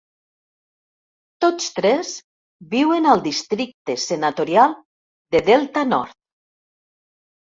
Tots tres viuen al districte senatorial de Delta North.